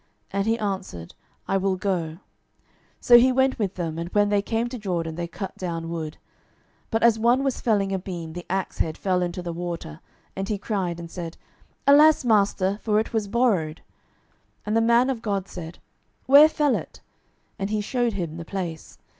And he answered, I will go. 12:006:004 So he went with them. And when they came to Jordan, they cut down wood. 12:006:005 But as one was felling a beam, the axe head fell into the water: and he cried, and said, Alas, master! for it was borrowed. 12:006:006 And the man of God said, Where fell it? And he shewed him the place.